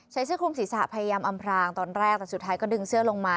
เสื้อคลุมศีรษะพยายามอำพรางตอนแรกแต่สุดท้ายก็ดึงเสื้อลงมา